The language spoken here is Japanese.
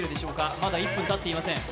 まだ１分たっていません。